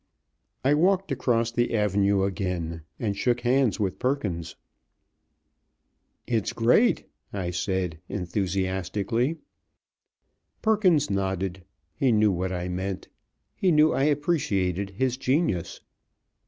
I walked across the avenue again and shook hands with Perkins. "It's great!" I said, enthusiastically. Perkins nodded. He knew what I meant. He knew I appreciated his genius.